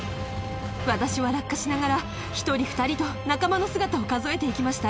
私は落下しながら１人２人と仲間の姿を数えて行きました。